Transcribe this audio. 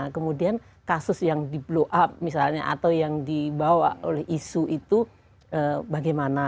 kemudian kasus yang di blow up misalnya atau yang dibawa oleh isu itu bagaimana